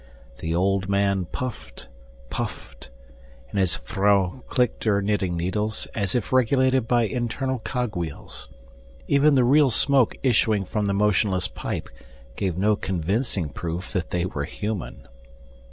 The old man puffed, puffed, and his vrouw clicked her knitting needles, as if regulated by internal cog wheels. Even the real smoke issuing from the motionless pipe gave no convincing proof that they were human.